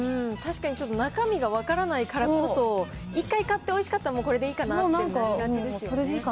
確かに、ちょっと中身が分からないからこそ、一回、買っておいしかったら、もうこれでいいかなっていう感じですよね。